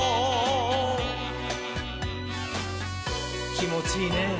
きもちいいねぇ。